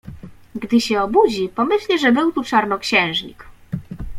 Gdy się obudzi, pomyśli, że był tu czarnoksiężnik.